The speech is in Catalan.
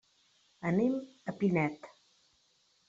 Anem a Pinet.